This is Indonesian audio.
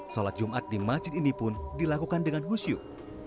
sholat jumat di masjid ini pun dilakukan dengan husyuk